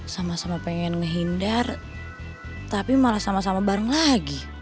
sama sama pengen ngehindar tapi malah sama sama bareng lagi